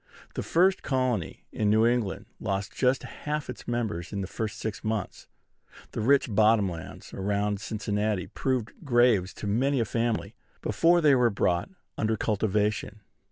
The first colony in New England lost just half its members in the first six months. The rich bottom lands around Cincinnati proved graves to many a family before they were brought under cultivation.